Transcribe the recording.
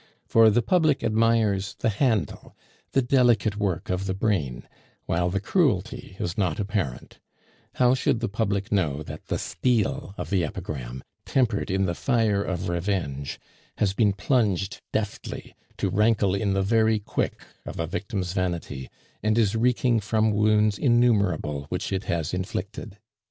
For the public admires the handle, the delicate work of the brain, while the cruelty is not apparent; how should the public know that the steel of the epigram, tempered in the fire of revenge, has been plunged deftly, to rankle in the very quick of a victim's vanity, and is reeking from wounds innumerable which it has inflicted?